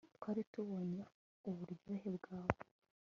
Twari tubonye uburyohe bwawe